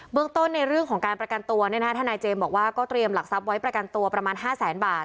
เรื่องต้นในเรื่องของการประกันตัวทนายเจมส์บอกว่าก็เตรียมหลักทรัพย์ไว้ประกันตัวประมาณ๕แสนบาท